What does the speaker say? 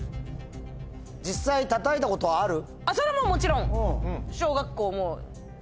それはもちろん！